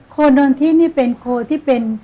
โดนอนทินี่เป็นโคที่เป็น